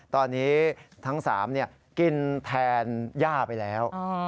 ตอนนี้ทั้ง๓กินแทนย่าไปแล้ว